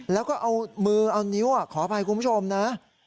แล้วก็เอามือเอานิ้วขออภัยคุณผู้ชมนะ